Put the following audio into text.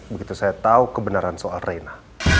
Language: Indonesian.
begitu saya tahu kebenaran soal reina